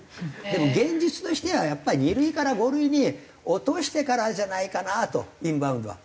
でも現実としてはやっぱり２類から５類に落としてからじゃないかなとインバウンドは。